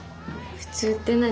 普通って何？